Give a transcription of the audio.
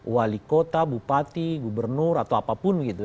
wali kota bupati gubernur atau apapun gitu